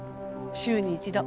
週に一度。